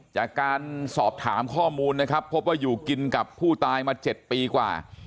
จากการสอบถามข้อมูลนะครับพบว่าอยู่กินกับผู้ตายมา๗ปีกว่า